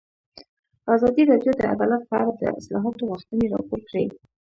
ازادي راډیو د عدالت په اړه د اصلاحاتو غوښتنې راپور کړې.